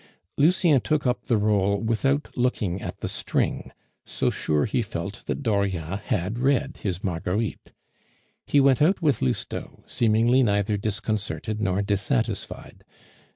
Lucien took up the roll without looking at the string, so sure he felt that Dauriat had read his Marguerites. He went out with Lousteau, seemingly neither disconcerted nor dissatisfied.